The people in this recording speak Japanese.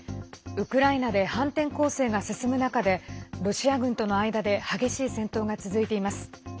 ウクライナで反転攻勢が進む中でロシア軍との間で激しい戦闘が続いています。